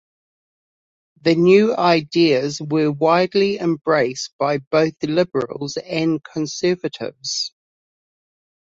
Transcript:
The new ideas were widely embraced by both liberals and conservatives.